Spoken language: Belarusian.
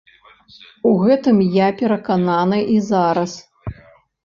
У гэтым я перакананы і зараз.